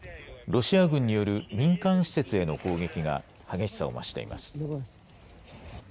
ロシア軍による民間施設への攻撃が激しさを増しています。